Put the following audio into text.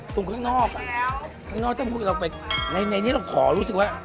ตรงข้างนอกในนี้เราขอรู้สึกว่า